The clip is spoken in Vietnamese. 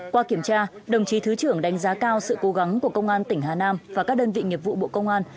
qua kiểm tra đồng chí thứ trưởng đánh giá cao sự cố gắng của công an tỉnh hà nam và các đơn vị nghiệp vụ bộ công an